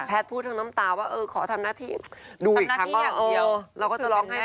แพทย์พูดทั้งน้ำตาว่าเออขอทำหน้าที่ดูอีกครั้งก็เออ